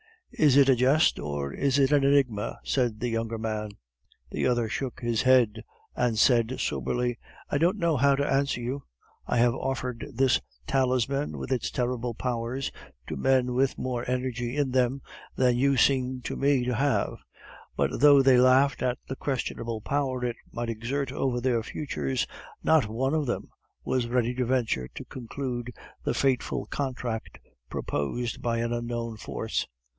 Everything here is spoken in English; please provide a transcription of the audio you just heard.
"Is it a jest, or is it an enigma?" asked the younger man. The other shook his head and said soberly: "I don't know how to answer you. I have offered this talisman with its terrible powers to men with more energy in them than you seem to me to have; but though they laughed at the questionable power it might exert over their futures, not one of them was ready to venture to conclude the fateful contract proposed by an unknown force.